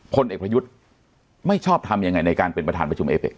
พลเอกประยุทธ์ไม่ชอบทำยังไงในการเป็นประธานประชุมเอเป็